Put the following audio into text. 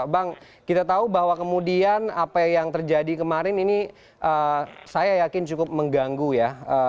bang kita tahu bahwa kemudian apa yang terjadi kemarin ini saya yakin cukup mengganggu ya